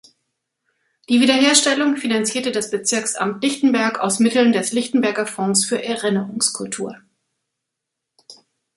Die Wiederherstellung finanzierte das Bezirksamt Lichtenberg aus Mitteln des Lichtenberger Fonds für Erinnerungskultur.